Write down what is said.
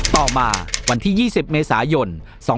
ต่อมาวันที่๒๐เมษายน๒๕๖